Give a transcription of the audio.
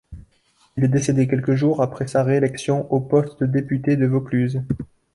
Il est décédé quelques jours après sa réélection au poste de député de Vaucluse.